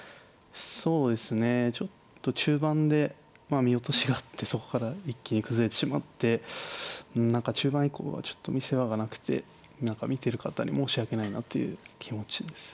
そうですねちょっと中盤でまあ見落としがあってそこから一気に崩れてしまってうん何か中盤以降はちょっと見せ場がなくて何か見てる方に申し訳ないなという気持ちです。